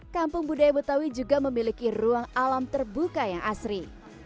kampung budaya betawi juga memiliki ruang alam terbuka yang asri